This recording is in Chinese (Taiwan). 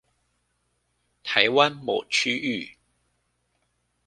台灣某區域